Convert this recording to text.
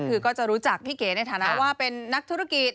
คือก็จะรู้จักพี่เก๋ในฐานะว่าเป็นนักธุรกิจ